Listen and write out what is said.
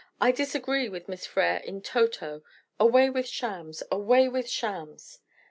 I disagree with Miss Frere in toto. Away with shams! Away with shams!"